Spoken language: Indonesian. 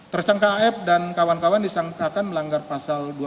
tersangka af dan kawan kawan disangkakan melanggar pasal dua puluh